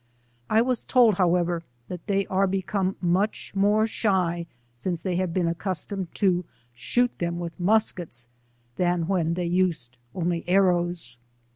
I was told, however, that they are become much more shy since they have been accustomed to sh(5f*t them with muskets, then when they used only arrows.